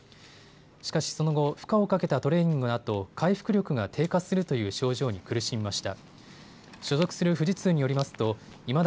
しかしその後、負荷をかけたトレーニングのあと回復力が低下するという症状に苦しみました。